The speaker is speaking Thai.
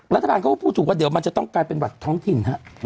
รัฐบาลเขาก็พูดถูกว่าเดี๋ยวมันจะต้องกลายเป็นบัตรท้องถิ่นฮะ